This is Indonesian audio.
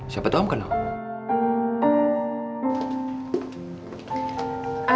siapa tuh om kenapa